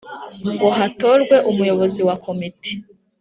Ngo hatorwe umuyobozi wa komite